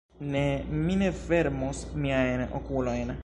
Ne... mi ne fermos miajn okulojn...